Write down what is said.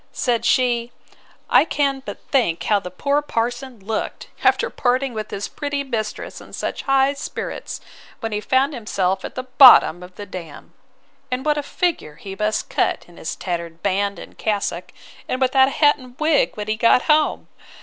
Said she, I can but think how the poor parson looked, after parting with his pretty mistress in such high spirits, when he found himself at the bottom of the dam! And what a figure he must cut in his tattered band and cassock, and without a hat and wig, when he got home.